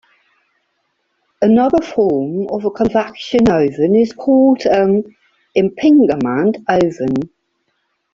Another form of a convection oven is called an "impingement oven".